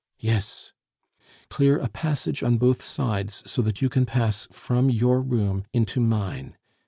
"Yes." "Clear a passage on both sides, so that you can pass from your room into mine.